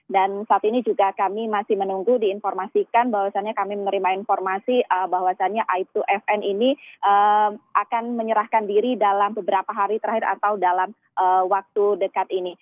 dan saat ini juga kami masih menunggu diinformasikan bahwasannya kami menerima informasi bahwasannya aib dua fn ini akan menyerahkan diri dalam beberapa hari terakhir atau dalam waktu dekat ini